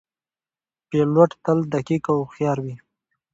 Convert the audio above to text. پیلوټ تل دقیق او هوښیار وي.